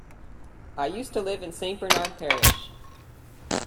I used to live in Saint Bernard Parish.